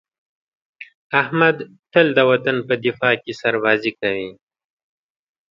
احمد تل د وطن په دفاع کې سربازي کوي.